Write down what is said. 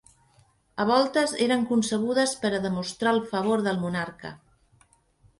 A voltes eren concebudes per a demostrar el favor del monarca.